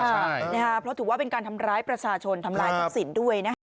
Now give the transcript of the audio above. ใช่นะคะเพราะถือว่าเป็นการทำร้ายประชาชนทำร้ายทุกสินด้วยนะคะ